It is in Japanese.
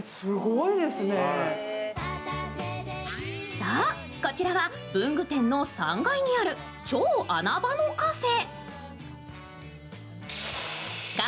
そう、こちらは文具店の３階にある超穴場のカフェ。